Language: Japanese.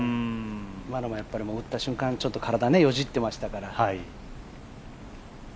今のも打った瞬間、ちょっと体よじってましたから。